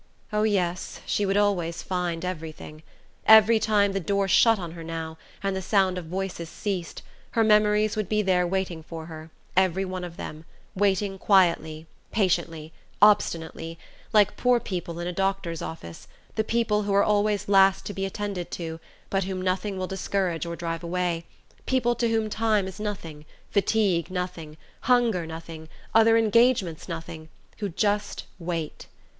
Oh, yes, she would always find everything: every time the door shut on her now, and the sound of voices ceased, her memories would be there waiting for her, every one of them, waiting quietly, patiently, obstinately, like poor people in a doctor's office, the people who are always last to be attended to, but whom nothing will discourage or drive away, people to whom time is nothing, fatigue nothing, hunger nothing, other engagements nothing: who just wait....